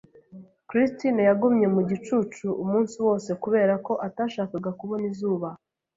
Christine yagumye mu gicucu umunsi wose, kubera ko atashakaga kubona izuba.